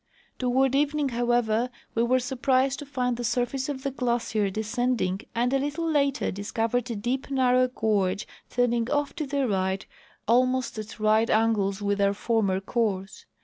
ToAvard evening, hoAvever, Ave were surprised to find the surface of the glacier descending and a little later discovered a deep narroAV gorge turning off to the right almost at right angles with our former course.